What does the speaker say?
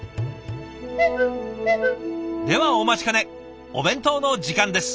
ではお待ちかねお弁当の時間です。